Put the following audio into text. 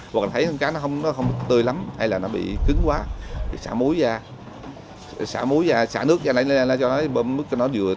hoặc là thấy thằng cá nó không tươi lắm hay là nó bị cứng quá thì xả muối ra xả muối ra xả nước ra cho nó bơm mứt cho nó vừa